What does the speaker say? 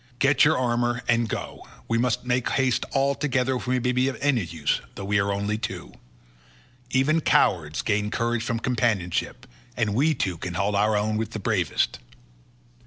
Get your armour and go, we must make all haste together if we may be of any use, though we are only two. Even cowards gain courage from companionship, and we two can hold our own with the bravest."